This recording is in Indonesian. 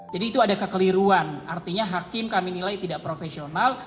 jadi itu ada kekeliruan artinya hakim kami nilai tidak profesional